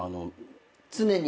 常に。